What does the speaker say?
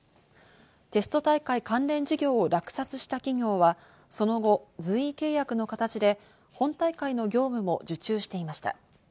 テスト大会関連事業を落札した企業はその後、随意契約の形で本大会の業務も受注していました。